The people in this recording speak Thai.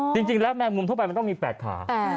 จริงแล้วแมงมุมทั่วไปมันต้องมี๘ขา